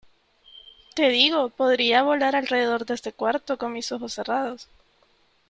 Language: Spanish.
¡ Te digo , podría volar alrededor de este cuarto con mis ojos cerrados !